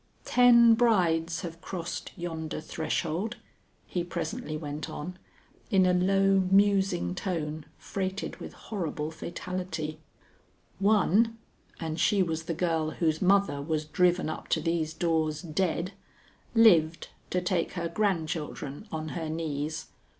"Ten brides have crossed yonder threshold," he presently went on in a low musing tone freighted with horrible fatality. "One and she was the girl whose mother was driven up to these doors dead lived to take her grandchildren on her knees.